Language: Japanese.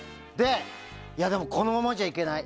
でも、このままじゃいけない。